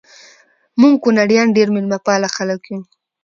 مونږ کونړیان ډیر میلمه پاله خلک یو